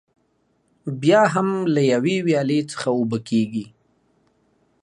بیا هم له یوې ویالې څخه اوبه کېږي.